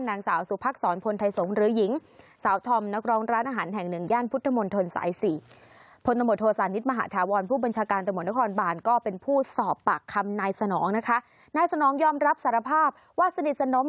นางสาวสุภักษ์สอนพลไทยสงฆ์หรือหญิงสาวทอมนครร้านอาหารแห่งหนึ่ง